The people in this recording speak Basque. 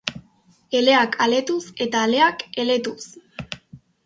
Eleak aletuz eta aleak eletuz!